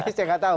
saya nggak tahu